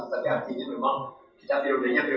tapi artinya memang kita biadanya